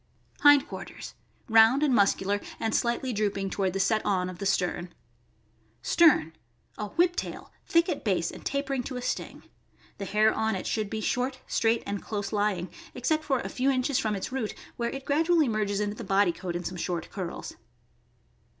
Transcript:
Hind quarters. — Round and muscular, and slightly drooping toward the set on of the stern. Stern. — A. " whip tail," thick at base and tapering to a u sting." The hair on it should be short, straight, and close lying, except for a few inches from its root, where it gradually merges into the body coat in some short curls.